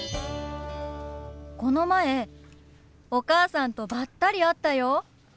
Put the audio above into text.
この前お母さんとばったり会ったよ！